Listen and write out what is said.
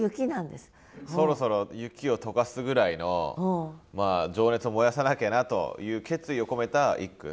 そろそろ雪を解かすぐらいの情熱を燃やさなきゃなという決意を込めた一句。